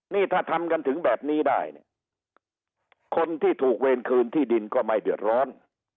นี่ถ้าทำกันถึงแบบนี้ได้เนี่ยคนที่ถูกเวรคืนที่ดินก็ไม่เดือดร้อน